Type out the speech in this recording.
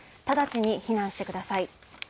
直ちに避難してください。